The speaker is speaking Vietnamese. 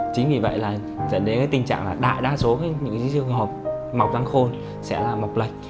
chính vì vậy là dẫn đến tình trạng là đại đa số những trường hợp mọc răng khôn sẽ là mọc lệch